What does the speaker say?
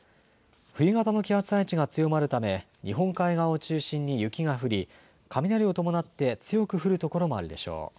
冬型の気圧配置が強まるため日本海側を中心に雪が降り雷を伴って強く降る所もあるでしょう。